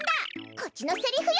こっちのセリフよ！